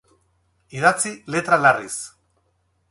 Idatzi letra larriz.